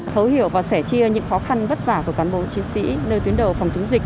thấu hiểu và sẻ chia những khó khăn vất vả của cán bộ chiến sĩ nơi tuyến đầu phòng chống dịch